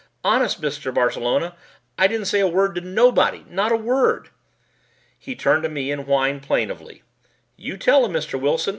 "Honest, Mr. Barcelona, I didn't say a word to nobody. Not a word." He turned to me and whined plaintively, "You tell him, Mr. Wilson.